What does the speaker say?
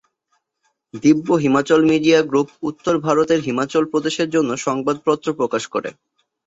দিব্য Himachal media group উত্তর ভারতের হিমাচল প্রদেশের জন্য সংবাদপত্র প্রকাশ করে।